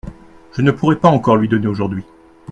Je ne pourrai pas encore lui donner aujourd’hui !